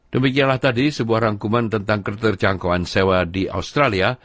demikianlah tadi sebuah rangkuman tentang keterjangkauan sewa di australia